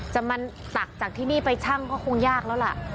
จะมาตักจากที่นี่ไปชั่งก็คงยากแล้วล่ะ